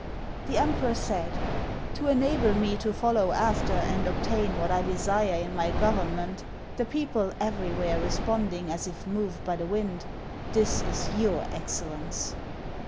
The emperor said, "To enable me to follow after and obtain what I desire in my government, the people everywhere responding as if moved by the wind; — this is your excellence."